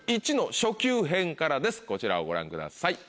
こちらをご覧ください。